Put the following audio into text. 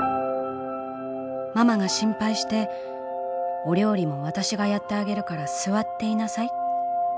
ママが心配して『お料理も私がやってあげるから座っていなさい』。